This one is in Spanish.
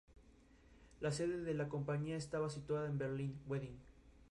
No existen planes de ampliación confirmados ni anunciados para la línea.